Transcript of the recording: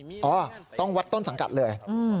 เอ่ออ๋อต้องวัดต้นสังกัดเลยอืม